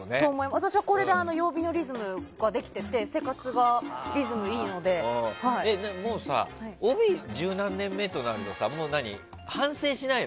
私はこれで曜日のリズムができててもうさ、帯十何年目となるとさ反省しないの？